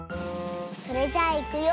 それじゃあいくよ。